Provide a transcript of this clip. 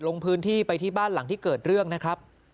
ลงพื้นที่ไปที่บ้านหลังที่เกิดเรื่องนะครับ